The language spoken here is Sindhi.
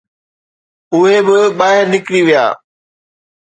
اهي به ٻاهر نڪري ويا.